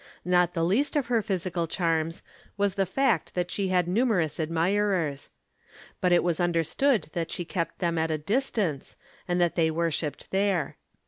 Not the least of her physical charms was the fact that she had numerous admirers. But it was understood that she kept them at a distance and that they worshipped there.